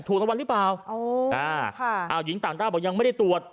ถูกรางวัลหรือเปล่าอ๋ออ่าค่ะอ้าวหญิงต่างด้าวบอกยังไม่ได้ตรวจ